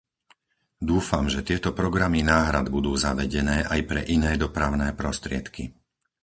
Dúfam, že tieto programy náhrad budú zavedené aj pre iné dopravné prostriedky.